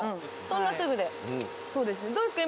どうですか？